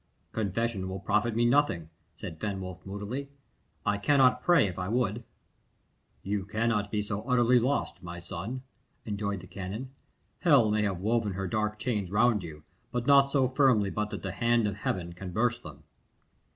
"Confession will profit me nothing," said Fenwolf moodily. "I cannot pray if I would." "You cannot be so utterly lost, my son," rejoined the canon. "Hell may have woven her dark chains round you, but not so firmly but that the hand of Heaven can burst them."